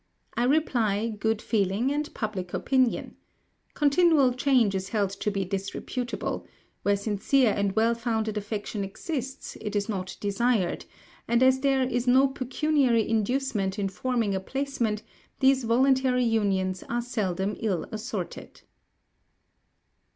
I reply, good feeling and public opinion. Continual change is held to be disreputable; where sincere and well founded affection exists, it is not desired; and as there is no pecuniary inducement in forming a placement, these voluntary unions are seldom ill assorted."